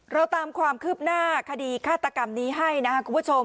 เราตามความคืบหน้าคดีฆาตกรรมนี้ให้นะครับคุณผู้ชม